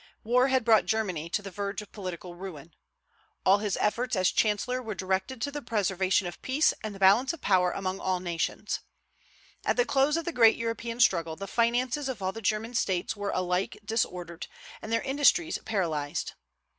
War had brought Germany to the verge of political ruin. All his efforts as chancellor were directed to the preservation of peace and the balance of power among all nations. At the close of the great European struggle the finances of all the German States were alike disordered, and their industries paralyzed.